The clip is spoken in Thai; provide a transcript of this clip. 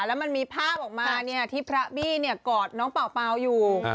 แล้วมันมีภาพออกมาเนี่ยที่พระบี้เนี่ยกอดน้องเป่าเป่าอยู่